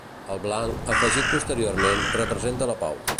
El blanc, afegit posteriorment, representa la pau.